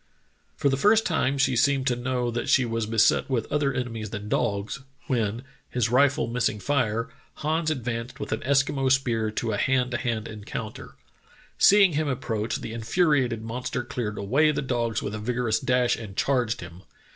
"For the first time she seemed to know that she was beset with other enemies than dogs, when, his rifle miss ing fire, Hans advanced with an Eskimo spear to a hand to hand encounter. Seeing him approach, the in furiated monster cleared away the dogs with a vigorous dash and charged him.